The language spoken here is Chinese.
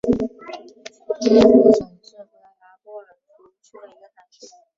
托拉杜什是葡萄牙波尔图区的一个堂区。